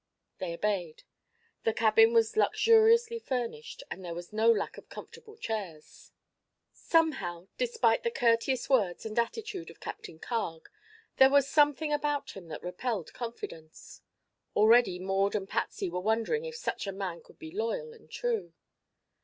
They obeyed. The cabin was luxuriously furnished and there was no lack of comfortable chairs. Somehow, despite the courteous words and attitude of Captain Carg, there was something about him that repelled confidence. Already Maud and Patsy were wondering if such a man could be loyal and true.